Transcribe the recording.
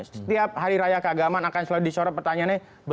setiap hari raya keagamaan akan selalu disorot pertanyaannya